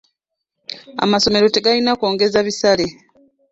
Amasomero tegalina kwongeza bisale.